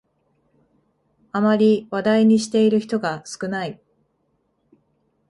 あまり話題にしている人が少ない